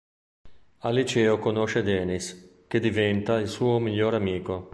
Al liceo conosce Denis, che diventa il suo migliore amico.